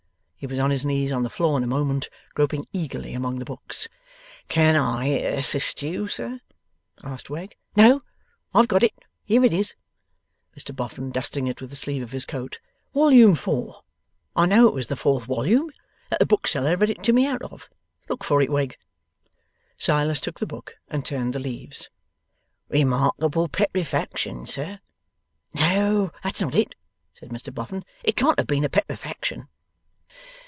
He was on his knees on the floor in a moment, groping eagerly among the books. 'Can I assist you, sir?' asked Wegg. 'No, I have got it; here it is,' said Mr Boffin, dusting it with the sleeve of his coat. 'Wollume four. I know it was the fourth wollume, that the bookseller read it to me out of. Look for it, Wegg.' Silas took the book and turned the leaves. 'Remarkable petrefaction, sir?' 'No, that's not it,' said Mr Boffin. 'It can't have been a petrefaction.